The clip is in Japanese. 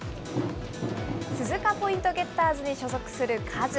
鈴鹿ポイントゲッターズに所属するカズ。